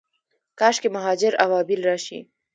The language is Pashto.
کاشکي مهاجر ابابیل راشي